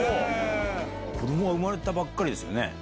子供が生まれたばっかりですよね？